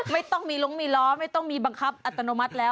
ไม่ต้องมีลงมีล้อไม่ต้องมีบังคับอัตโนมัติแล้ว